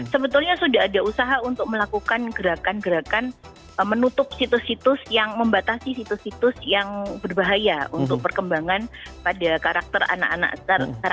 sebetulnya sudah ada usaha untuk melakukan gerakan gerakan menutup situs situs yang membatasi situs situs yang berbahaya untuk perkembangan pada karakter anak anak